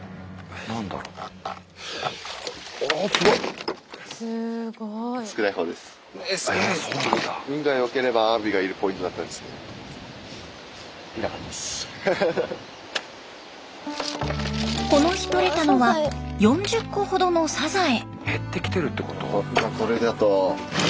おすごい！この日とれたのは４０個ほどのサザエ。